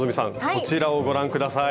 こちらをご覧下さい！